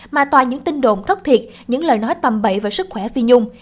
mà toàn những tin đồn thất thiệt những lời nói tầm bậy về sức khỏe phi nhung